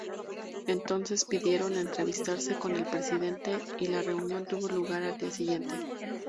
Entonces pidieron entrevistarse con el presidente y la reunión tuvo lugar al día siguiente.